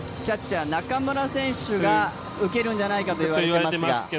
中村選手が受けるんじゃないかと言われていますが？